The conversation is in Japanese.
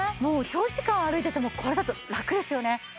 もう長時間歩いててもこれだとラクですよね。